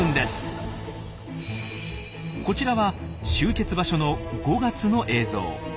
こちらは集結場所の５月の映像。